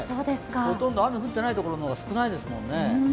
ほとんど雨降ってないところの方が少ないですもんね。